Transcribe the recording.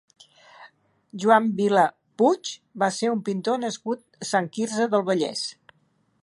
Joan Vila Puig va ser un pintor nascut a Sant Quirze del Vallès.